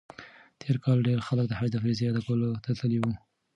تېر کال ډېر خلک د حج د فریضې ادا کولو ته تللي وو.